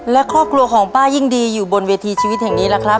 และครอบครัวของป้ายิ่งดีอยู่บนเวทีชีวิตแห่งนี้แหละครับ